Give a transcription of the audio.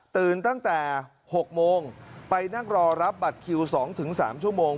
ตั้งแต่๖โมงไปนั่งรอรับบัตรคิว๒๓ชั่วโมง